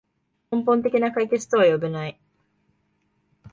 根本的な解決とは呼べない